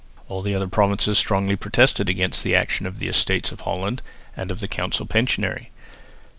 All the other provinces strongly protested against the action of the Estates of Holland and of the council pensionary.